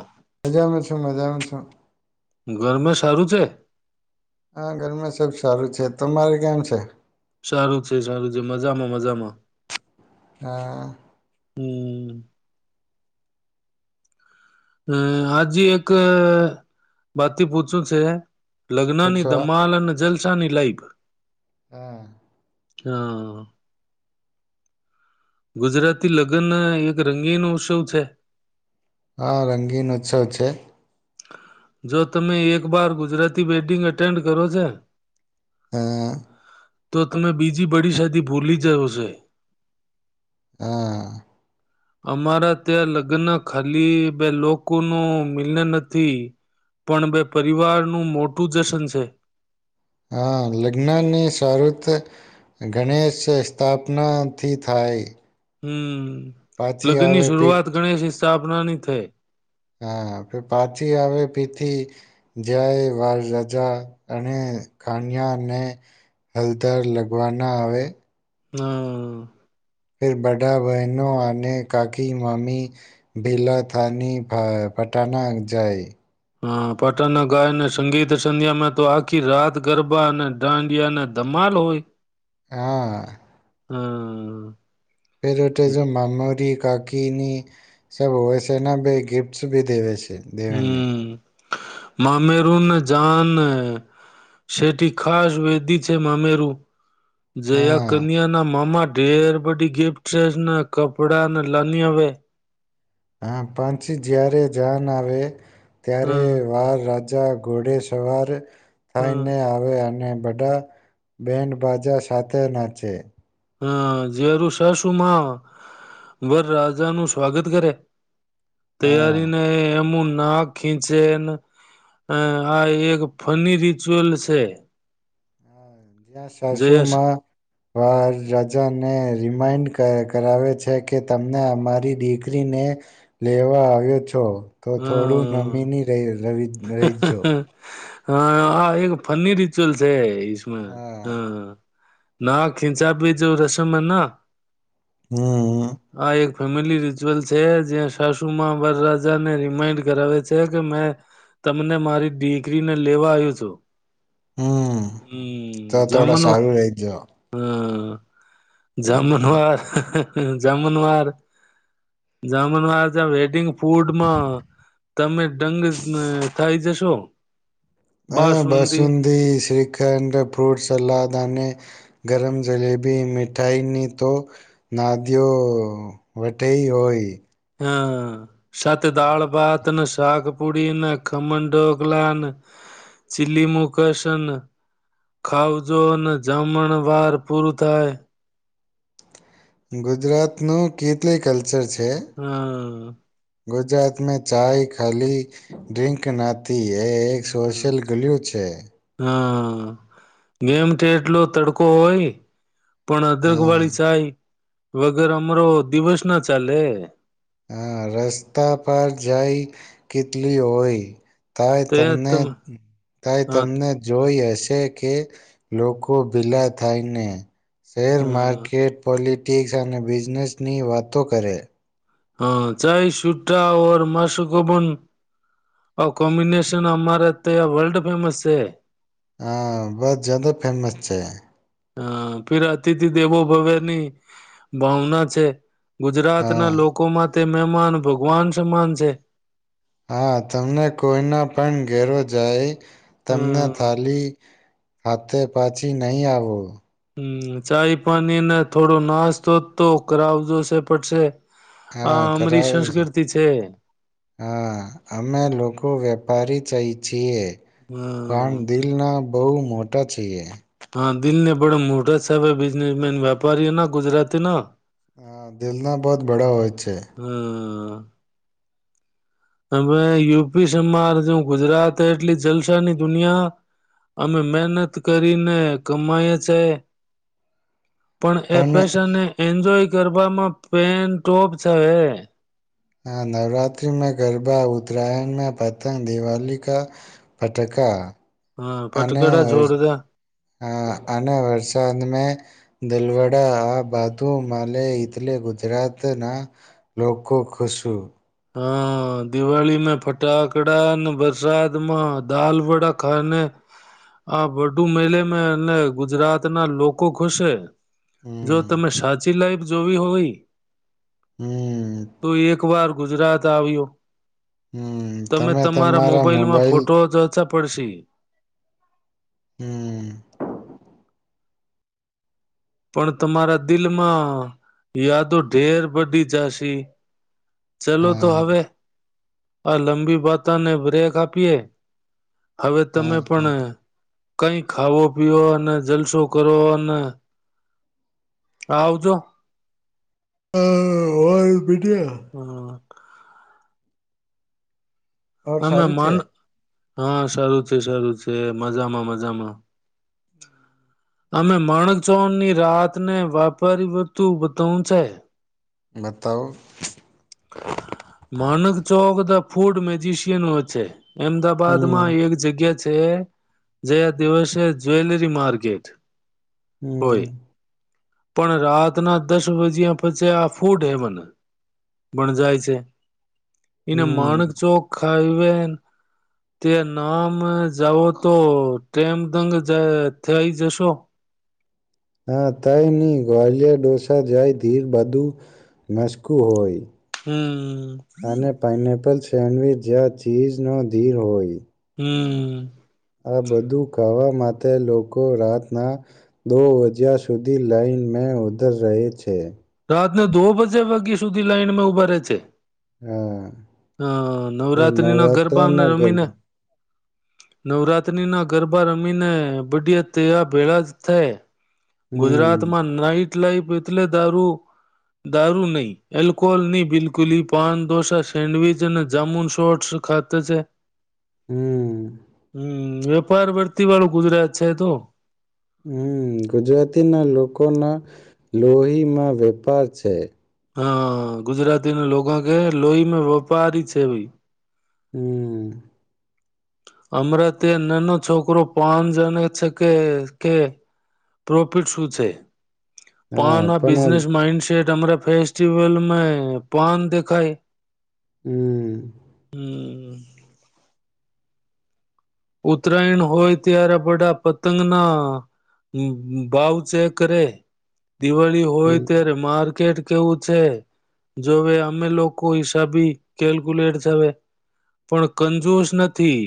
હ. મજામાં છું, મજામાં છું. ઘરમે સારું છે? હા, ઘરમાં સબ સારું છે. તમારે કેમ છે? સારુ છે, સારુ છે. મજામાં, મજામાં. હા. હમ. હમ, આજ એક બાતથી પૂછવું છે. લગ્નની પૂછો ધમાલ અને જલ સાની લાઈફ. હા. હં. ગુજરાતી લગન એક રંગીન ઉત્સવ છે. હા રંગીન ઉત્સવ છેે. જો તમે એક બાર ગુજરાતી બેટિંગ એટેન્ડ કરો છે. હઅઅ. તો તમે બીજી બડી શાદી ભૂલી જાઓ છે. હા. અમારા ત્યાં લગ્ન ખાલી બે લોકોનું મિલન પણ બે પરિવારનું મોટું જશન છે. હા, લગ્નની શરત ગણેશ સ્થાપનાથી થાય. હમ્મ. પાછી લગ્ન ની આવે શરૂઆત પીઠ ગણેશ હિસાબ પોનાની થાય હા, પર પાછી આવે તેથી જાય વાર રજા અને ખાાનિયા ને હલદર લગવાના આવે. હા. બડા બહેનો અને કાકી, મામી ભેલા થાની પાટન જાય. હા, પાટણના ગાયને સંગીત સંધ્યામાં તો આખી રાત ગરબા અને દાંડિયાને ધમાલ હોય. હા. હમ્મ. ફેરતે જો મામાદિક કાકીની સબ હોય છે એના બે ગિફ્ટસ ભી દેવે છે. દેવેનની હમ્મ. મામેંરુને જાન સટી ખાસ વેદી છે મામેંરુ. જયા હા કન્યાના મામા ડેર બડી ગિફ્ટ ને કપડા ને લાની હવે હા પંછી જ્યારે જાન આવે. ત્યારે હમ વાર રાજ જં ઘોડે સવાર થાય હમ ને આવે અને બધા બેન્ડબાજા સાથે નાચે. હા જરું શ શુમ, વરરાજા નું સ્વાગત કરે. હા તૈયારી ને એમું નાક ખીચેના, આ એક ફની રિચુઅલ છે. જ્યાં જયેશ સાસુમાં વાર રાજા ને રિમાઈન્ડ કરાવે છે કે તમને અમારી દીકરીને, લેવા આવ્યો છો. તો થોડું હમ નમીની રહીજો. હા હ એક ફન્ની રિચુઅલ છે. રિઝમલ હા. ના ખીંચા ભી જો રસમના. હમ. ફેમિલી રિચ્યુઅલ છે જ્યાં સાસુ માં વરરા ને રિમાઈન્ડ કરાવે છે કે મેં, તમને મારી દિગરીને લેવા આવ્યું છું. હમ્મ. હમ તો જેમન થોડા હમ. હ [inaudible] સારું રહીજો. જામનવાર. જામનવાર. જામનવાર વેડિંગ ફૂડમાં, તમે ડંગ થઈ જશો. હ બાસુંદી બસુંંધી, શ્રીખંડ, ફ્રૂટ સલાદ અને ગરમ જલેબી મીઠાઈની તો, નાદિઓ વટેઈ હોય. હ સાથે દાળ ભાતને શાક પુડીને ખમણ ઢોકલાને, ચીલી મુ કસન, ખાવજો જમણ વાર પૂરું થાય. ગુજરાતનું કેટલી કલ્ હમ. ગુજરાતમાં ચાય ખાલી, ડ્રિંક ન હતી. એ એક સોશિયલ ગ્લ્યુ છે. નેમઠેટલો તડકો હોય. પણ અદરક હા વાળી ચાય વગર અમારો દિવસ ના ચાલે. હા રસ્તા પર જાય કેટલી હોય તાઈ તો યાર તમને તમે તાઈ હા તમને જોઈ હશે છે કે લોકો ભીલા થાયને શેર હા માર્કેટ પલી તિક અને બિઝનેસની વાતો કરે હા ચાઈ છુટા ઔર માશુગબન કોમ્બિનેશન અમારે ત્યા વર્લ્ડ ફેમસ છે હા બસ જદ ફેમસ છે હા પેર અતિથિ દેવો ભવેની ભાવના છે હા ગુજરાતના લોકોમાં તે મહેમાન ભગવાન સમાન છે હા તમને કોઈના પણ ઘેરો જાય તમને હમ થાલી હાતે પાછી નહી આવો હમ ચાય પાણી ને થોડો નાસ્તો તો કરાવ જોશે પડશે હા આ અમારી કરાવે છે સંસ્કૃતિ હા અમે લોકો વેપારી ચ છીએ પણ હમ દિલ ના બોહ મોટા મોટા છીએ હા દિલ ના બડો મોટા સાબે બિઝનેસમેન વ્યાપારીઓ ના ગુજરાતી ન હા દિલના બહત બડા હોય જ છે. હ હમે યુપી સમારજ ગુજરાત એટલી જલસાની દુનિયા, અમે મહેનત કરીને કમાય છે. પણ એ પેશનને એન્જોય ગરબામાં પેન્ટ ટોપ છે હ. હ નવરાત્ર્રીમાં ગરબા ઉત્તરાયણ મે પતંગ દિવાલી કા, પટાકા. હા પટકડા છોડદ હ અને વરસાદ મે, દલવડા આ બાજુ મળ એટલે ગુજરાતના, લોકો ખુશું. હા દિવાળીમાં ફટાકડા અને વરસાદમાં દાલ વડા ખાને, આ વુ મેલે મે અને ગુજરાત ના લોકો ખુસે. જો હમ્મ, તમે સાચી લાઈ જો ભી હોય. હમ્મ, તો એક વાર ગુજરાત આવ્યો. તમે તમારા મોબાઈલમાં ફોટો જ ચ પડશી. હમ્મ. પણ તમારા દિલમાં, યાદો ઢેર બડી જશે. ચલો તો હા હવે આ લંબી વાતાને બ્રેક આપીએ હવે તમે પણ હા કંઈ ખાવો પીઓ અને જલસો કરો અને આવજો એ હોયે પીટિયા હ ઓર અમે સારું છે માન હા સારુ છે સારુ છે મજામાં મજામાં અમે માણક ચૌણની રાતને વાપર હતું બ હું છે બતાવ માણક ચોક ફૂડ મેજીિશિયન હો છે અમદાબાદ હમ માં એક જગ્યા છે જયા દિવસે જ્વેલરી માર્કેટ હમ્મ હોય પણ રાતના દસ વજીયા પછી આ ફૂડ હેવન ભણ જાય છે એના હમ માણક ચોક થવે તે નામ જાઓ તો ટેમ દંગ થઈ જશો હા તય નહી ગ્વાલિયર ડોસા જાય ઘીર બધું મસકું હોય હમ્મ સેન્ડવિચ જ્યાં ચીઝનો ધીર હોય હમ્મ આ બધું ખાવા માટે લોકો રાતના દો વજીયા સુધી લાઈન મે ઉધર રહે છે રાતને દો બજે વાગ્યા સુધી લાઈનમાં ઉભા રહેે છે હા હા એ નવરાત્રી નો નવરાત્રા ગરબાાને ના રમીને ગરબા નવરાત્રીના ગરબા રમીને બડય તવા ભેળા જ થયા હમ ગુજરાતમાં નાઈ એલા એટલે દારૂ દારૂ નહી એલ્કોહોલ નહી બિલકુલ પાનઢોસા સેન્ડવીચ અને જામુન સોટ ખાતે છે હમ હમ્મ વેપાર બરતી વાળું ગુજરાત છે તો હમ્મ ગુજરાતી ના લોકો ના લોહીમાં વેપાર છે હા ગુજરાતી લોકો કે લોહીમાં વ્યાપારી છે હમ્મ હમણાં ત્યાં નાનો છોકરો પાન જાને છે કે કે પ્રોફિટ શું છે પન હા આ પણ બઝનેસ મઇન્ડસેટ ફેસ્ટિવલ મે પન દેખાય હમ્મ [inaudible] ઉત્તરાયણ હોય ત્યારે બડા પતંગના ભાવ ચેક કરે. દિવાળી હોય હમ ત્યારે માર્કેટ કેવું છે જોવે અમે લોકો હિસાબી કેલ્ક્યુલેટ થવે પણ કંજુસ નથી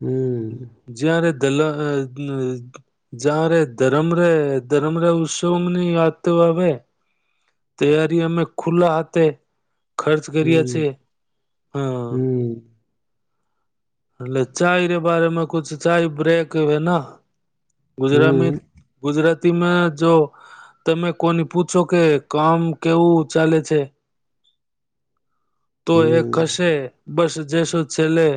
હમ જયારે દલ જારે ધર્મ ર ધર્મરે ઉત્સવની વાતો આવે તૈયારી અમે ખુલ્લા હાથે ખર્ચ કર્યા છે હમ હા હમ એટલે ચાય ર બારમાં કુજ ચાય બ્રેક હેના ગુજરામ હમ ગુજરા ગુજરાતીમાં જો તમે કોની પૂછો કે કામ કેવું ચાલે છે તો એ હમ કશે બસ જે શું છેલેે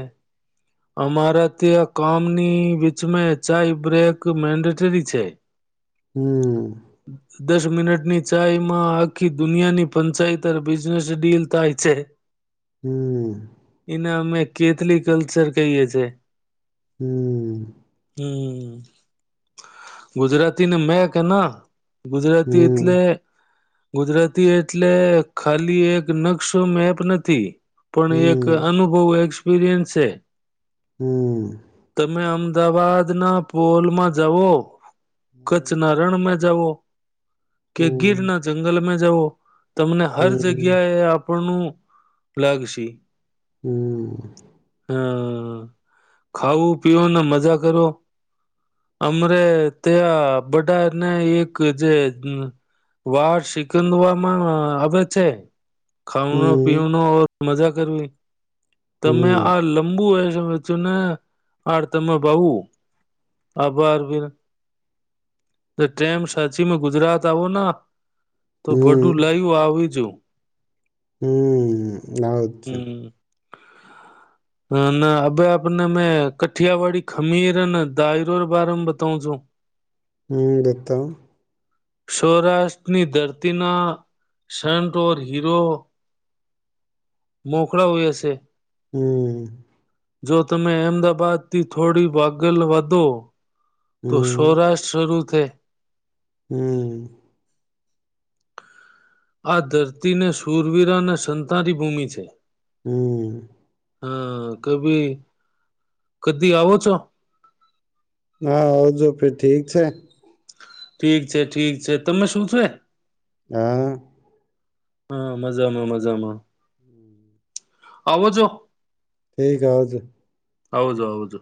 અમારા ત્યાં કામની વીચમે ચઇબ્રેક મેન્ડેટરી છે હમ દસ મિનટની ચાયમાં આખી દુનિયાની પંચાયતર બિઝનેસ ડીલ થાય છે હમ એના અમે કેટલી કલચર કહીએ છે હમ હમ ગુજરાતીને મેક હે નક ગુજરાતી હમ હમ હમ હમ હમ એટલે ગુજરાતી એટલે ખાલી એક નકશો મેપ નથી પણ એક હમ અનુભવ એક્સપેરિએન્સ છે હમ તમે અમદાવાદ ના પોલમાં જઓ કચ્છના રણમાં જઓ કે ગીર ના જંગલમાં જઓ તમને હર જગ્યા એ નું લાગશે. હમ. હમ, ખાવું પીવું ને મજા કરો, અમરે ત્યાં બધાને એક જે વાળ સિકંદવામાં આવે છે. ખાઉના પીનો. મજા કરવી. તમે હ. આ લંબુ હ છેચું ને, આભારી તેમ સાચીમાં ગુજરાત આવો ના. તો બડું હમ લયવું આવીજો. હમ અવે જ છે. હ અભય આપને મેં કઠિયાવાડી ખમીર અને દાયરોર બારમાં બતાવ છું. હ બતાવ. સૌરાષ્ટ્રની ધરતીના સન્ટ ઓર હીરો. મોખડા હોયાશે. હમ. જો તમે અહેમદાબાદથી થોડી વાગલ વધો. તો હમ સૌરાષ્ટ્ર જરૂર. કે હમ. આ ધરતીને સુરવીરા અને સંતાારી ભૂમિ છે. હમ. હા કભી કદી આવો છો. હા આવજો ફે ઠીક છે. ઠીક છે ઠીક છે તમે શું છ હ. હા મજામાં મજામાં આવો જો. ઠીક અજ હવજ